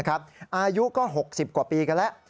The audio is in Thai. อายุก็๖๐กว่าปีกันแล้ว